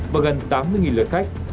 và gần tám mươi lượt khách